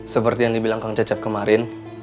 seperti yang dibilang kang cecep kemarin